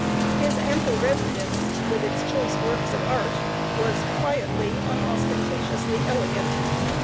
His ample residence, with its choice works of art, was quietly, unostentatiously elegant.